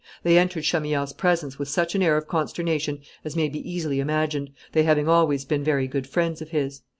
They entered Chamillard's presence with such an air of consternation as may be easily imagined, they having always been very great friends of his.